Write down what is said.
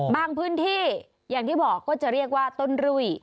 พื้นที่อย่างที่บอกก็จะเรียกว่าต้นรุ่ย